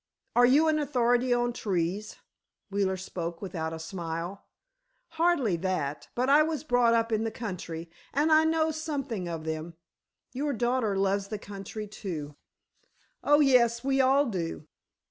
"Are you an authority on trees?" Wheeler spoke without a smile. "Hardly that; but I was brought up in the country, and I know something of them. Your daughter loves the country, too." "Oh, yes—we all do."